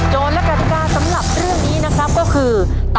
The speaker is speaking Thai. โจทย์และกรรติกาสำหรับเรื่องนี้นะครับ